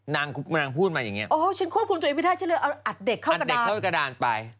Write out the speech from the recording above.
นางพูดมาอย่างเงี้อ๋อฉันควบคุมตัวเองไม่ได้ฉันเลยเอาอัดเด็กเข้ากระดาษเด็กเข้ากระดานไป